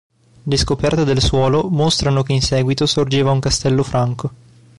Le scoperte del suolo mostrano che in seguito sorgeva un castello franco.